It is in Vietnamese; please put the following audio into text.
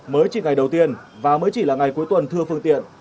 mới chỉ ngày đầu tiên và mới chỉ là ngày cuối tuần thưa phương tiện